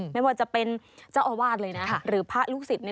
ไม่ว่าจะเป็นเจ้าอาวาสเลยนะหรือพระลูกศิษย์